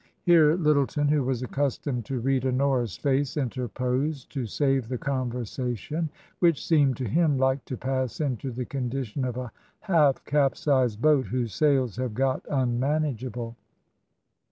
Here Lyttleton, who was accustomed to read Honora's face, interposed to save the conversation, which seemed to him like to pass into the condition of a half capsized boat whose sails have got unmanageable.